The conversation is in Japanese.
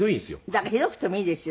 だからひどくてもいいですよ。